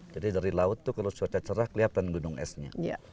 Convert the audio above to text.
jadi dari laut itu kalau cuaca cerah kelihatan gunung esnya